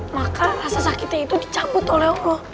maka rasa sakitnya itu dicabut oleh allah